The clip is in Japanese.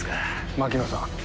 槙野さん。